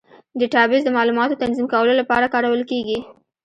ډیټابیس د معلوماتو تنظیم کولو لپاره کارول کېږي.